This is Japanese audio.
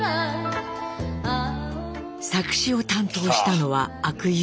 作詞を担当したのは阿久悠。